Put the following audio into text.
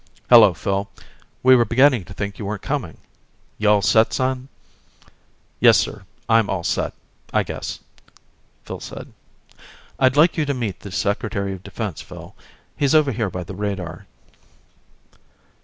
"Hello, Phil. We were beginning to think you weren't coming. You all set, son?" "Yes, sir, I'm all set, I guess," Phil said. "I'd like you to meet the Secretary of Defense, Phil. He's over here by the radar."